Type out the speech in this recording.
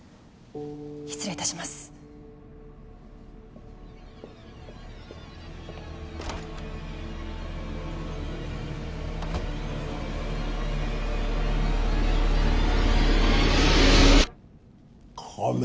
失礼いたします仮面